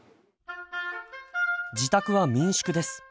自宅は民宿です。